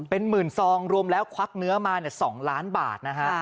เป็นหมื่นซองรวมแล้วควักเนื้อมา๒ล้านบาทนะฮะ